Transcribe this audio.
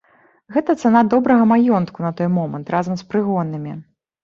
Гэта цана добрага маёнтку на той момант, разам з прыгоннымі.